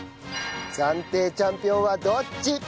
暫定チャンピオンはどっち！？